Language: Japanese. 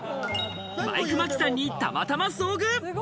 マイク眞木さんにたまたま遭遇。